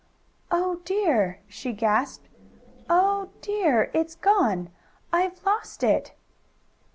"Oh dear!" she gasped. "Oh dear! It's gone! I've lost it!"